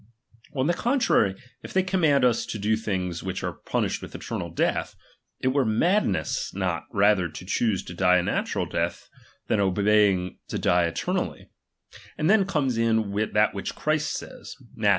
On the ^H contrary, if they command us to do those things ^H which are punished with eternal death, it were ^H madness not rather to choose to die a natural ^H death, than by obeying to die eternally : and then ^H comes in that which Christ says (Matth.